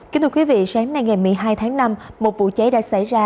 kính thưa quý vị sáng nay ngày một mươi hai tháng năm một vụ cháy đã xảy ra